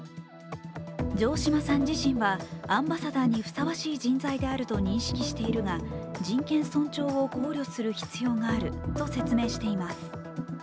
城島さん自身はアンバサダーにふさわしい人材であると認識しているが人権尊重を考慮する必要があると説明しています。